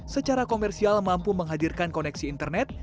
secara komersial mampu menghadirkan koneksi internet